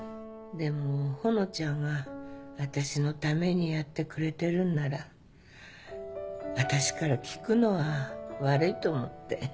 でもほのちゃんが私のためにやってくれてるんなら私から聞くのは悪いと思って。